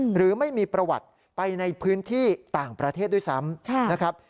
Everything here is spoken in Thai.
หรือไม่มีประวัติไปในพื้นที่ต่างประเทศด้วยซ้ำนะครับ